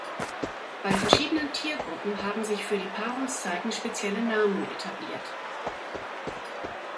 Bei verschiedenen Tiergruppen haben sich für die Paarungszeiten spezielle Namen etabliert.